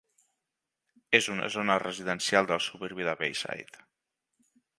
És una zona residencial del suburbi de Bayside.